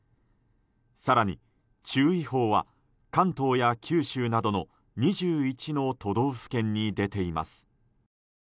更に、注意報は関東や九州などの２１の都道府県に出ています。